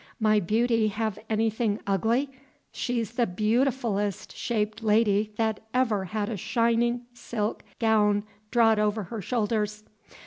My beauty have anything ugly? She's the beautifullest shaped lady that ever had a shinin' silk gown drawed over her shoulders.